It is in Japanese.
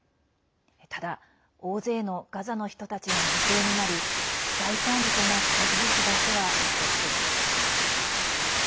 ただ、大勢のガザの人たちが犠牲になり、大惨事となった事実だけは残っています。